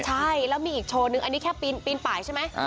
ใช่แล้วมีอีกโชว์นึงอันนี้แค่ปีนป่ายใช่ไหม